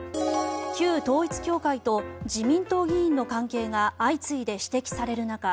旧統一教会と自民党議員の関係が相次いで指摘される中